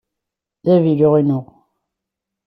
D avilu-inu.